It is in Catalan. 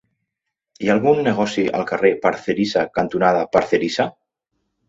Hi ha algun negoci al carrer Parcerisa cantonada Parcerisa?